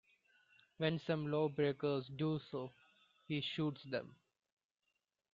When some lawbreakers do so, he shoots them.